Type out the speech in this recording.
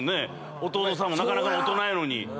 弟さんもなかなかの大人やのに。